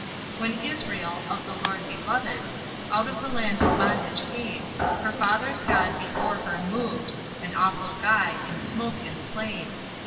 When Israel, of the Lord beloved, Out of the land of bondage came, Her father's God before her moved, An awful guide, in smoke and flame.